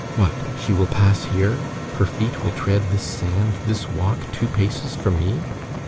"What! She will pass here? Her feet will tread this sand, this walk, two paces from me?"